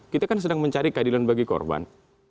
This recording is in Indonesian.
kita kan sedang mencari keadilan bagi korban